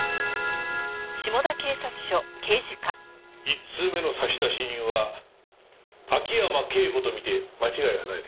１通目の差出人は秋山圭子と見て間違いはないでしょう。